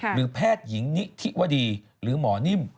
หรือแพทย์หญิงนิธิวดีหรือหมอนิ่ม